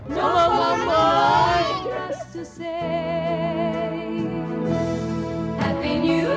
chúc mừng năm mới